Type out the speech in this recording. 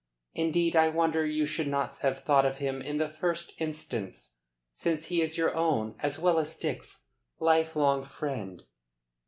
Indeed I wonder you should not have thought of him in the first instance, since he is your own, as well as Dick's lifelong friend."